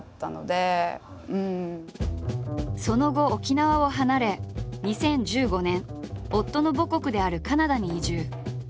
その後沖縄を離れ２０１５年夫の母国であるカナダに移住。